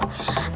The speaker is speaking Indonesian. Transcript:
tapi dia gak mau